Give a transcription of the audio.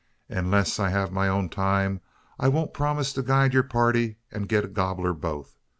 Unless I hev my own time, I won't promise to guide yur party, an git gobbler both.